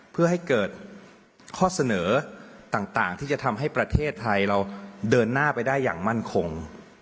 เพื่อให้เกิดข้อเสนอต่างที่จะทำให้ประเทศไทยเราเดินหน้าไปได้อย่างมั่นคง